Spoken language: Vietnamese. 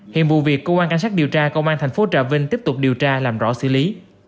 hiện vụ việc cơ quan cảnh sát điều tra công an thành phố trà vinh tiếp tục điều tra làm rõ xử lý